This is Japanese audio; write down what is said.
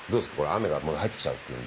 雨が入ってきちゃうっていう。